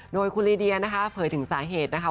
โดยคุณลีเดียนะคะเผยถึงสาเหตุนะคะ